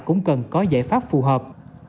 cũng cần có giải pháp phù hợp